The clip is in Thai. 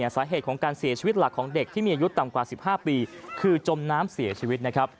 สาเหตุของการเสียชีวิตหลักของเด็กที่มีอายุต่ำกว่า๑๕ปีคือจมน้ำเสียชีวิตนะครับ